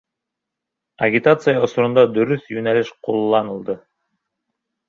Агитация осоронда дөрөҫ йүнәлеш ҡулланылды.